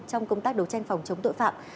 trong công tác đấu tranh phòng chống tội phạm